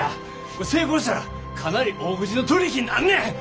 成功したらかなり大口の取り引きになんねん。